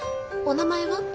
お名前は？